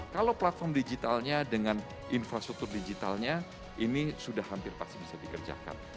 kalau platform digitalnya dengan infrastruktur digitalnya ini sudah hampir pasti bisa dikerjakan